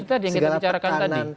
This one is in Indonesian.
itu tadi yang kita bicarakan tadi